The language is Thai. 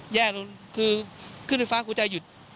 แย่ลงคือขึ้นไฟฟ้าหัวใจหยุด